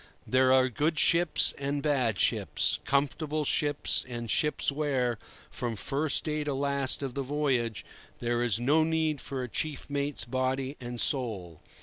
There are good ships and bad ships, comfortable ships and ships where, from first day to last of the voyage, there is no rest for a chief mate's body and soul.